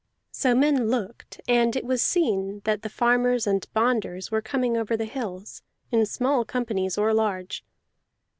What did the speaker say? So men looked, and it was seen that the farmers and bonders were coming over the hills, in small companies or large.